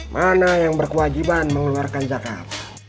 mana yang berkewajiban mengeluarkan zakat